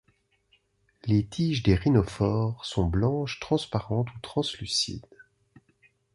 Les tiges des rhinophores sont blanches, transparentes ou translucides.